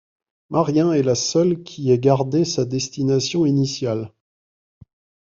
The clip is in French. Marien est la seule qui ait gardé sa destination initiale.